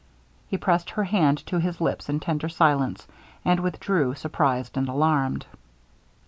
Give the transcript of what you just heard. He pressed her hand to his lips in tender silence, and withdrew, surprized and alarmed.